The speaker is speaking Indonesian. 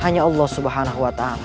hanya allah subhanahu wa ta'ala